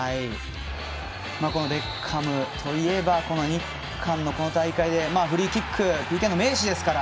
ベッカムといえば日韓の大会でフリーキックＰＫの名手ですから。